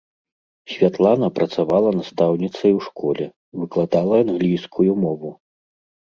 Святлана працавала настаўніцай у школе, выкладала англійскую мову.